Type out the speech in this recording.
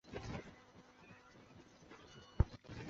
丰川稻荷是位在日本爱知县丰川市的曹洞宗寺院。